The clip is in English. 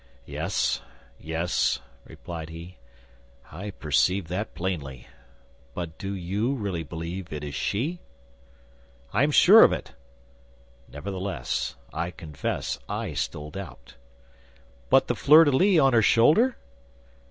"Yes, yes," replied he, "I perceive that plainly; but do you really believe it is she?" "I am sure of it." "Nevertheless, I confess I still doubt." "But the fleur de lis on her shoulder?"